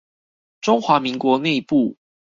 中華民國內部